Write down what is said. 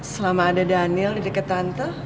selama ada daniel di dekat tante